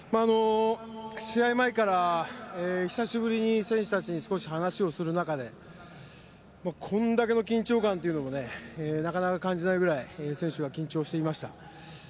試合前から久しぶりに選手たちに少し話をする中でこんだけの緊張感というのもなかなか感じられないぐらい選手は緊張していました。